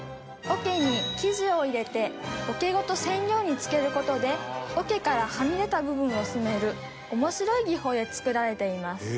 桶に生地を入れて桶ごと染料につける事で桶からはみ出た部分を染める面白い技法で作られています。